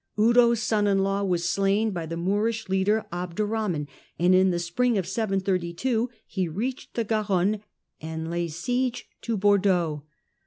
Eudo's son in law was slain by the Moorish leader Abdurrahman, and in the spring of 732 he eached the Garonne and laid siege to Bordeaux.